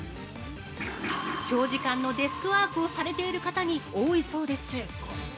長時間のデスクワークをされている方に多いそうです。